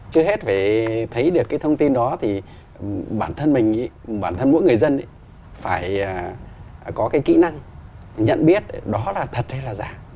chưa hết phải thấy được cái thông tin đó thì bản thân mình bản thân mỗi người dân phải có cái kỹ năng nhận biết đó là thật hay là giả